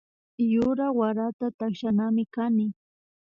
Yura warata takshanami kani